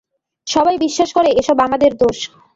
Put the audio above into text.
সবাই বিশ্বাস করে এসব আমাদের দোষ।